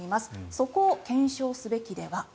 そこを検証するべきでは。